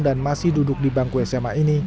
dan masih duduk di bangku sma ini